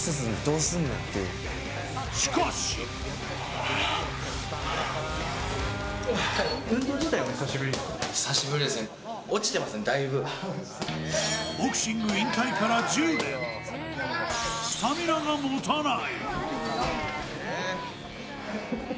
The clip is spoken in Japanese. しかしボクシング引退から１０年、スタミナがもたない。